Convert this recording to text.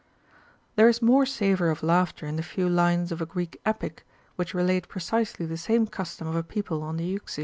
There is more savour of laughter in the few lines of a Greek Epic, which relate precisely the same custom of a people on the Euxine :— See vol.